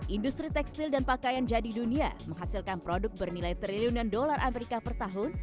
industri tekstil dan pakaian jadi dunia menghasilkan produk bernilai triliunan dolar amerika per tahun